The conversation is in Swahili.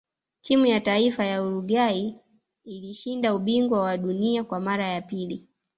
timu ya taifa ya uruguay ilishinda ubingwa wa dunia Kwa mara ya pili